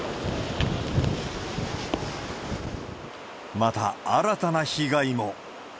また、新たな被害も。